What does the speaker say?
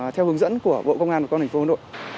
theo hướng dẫn của bộ công an và công an hà nội